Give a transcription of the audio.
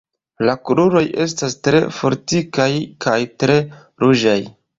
La kruroj estas tre fortikaj kaj tre ruĝaj.